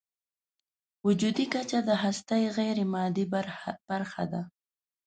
وجودي کچه د هستۍ غیرمادي برخه ده.